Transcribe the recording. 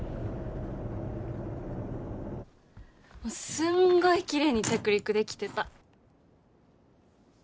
すんごいきれいに着陸できてた。